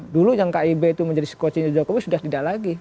dulu yang kib itu menjadi sekocinya jokowi sudah tidak lagi